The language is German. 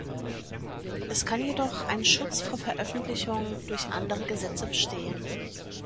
Es kann jedoch ein Schutz vor Veröffentlichung durch andere Gesetze bestehen.